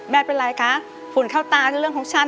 ไม่เป็นไรคะฝุ่นเข้าตาเรื่องของฉัน